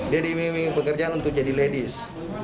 dia diiming iming pekerjaan untuk jadi ladies